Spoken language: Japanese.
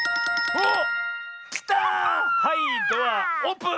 はいドアオープン！